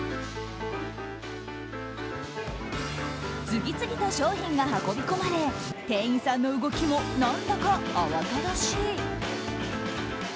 次々と商品が運び込まれ店員さんの動きも何だか慌ただしい。